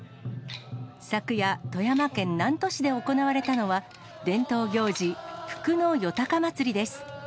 昨夜、富山県南砺市で行われたのは、伝統行事、福野夜高祭です。